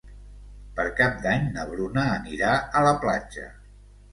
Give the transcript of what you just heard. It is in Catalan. Per Cap d'Any na Bruna anirà a la platja.